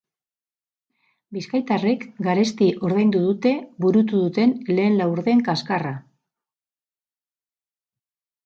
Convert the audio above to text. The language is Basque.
Bizkaitarrek garesti ordaindu dute burutu duten lehen laurden kaskarra.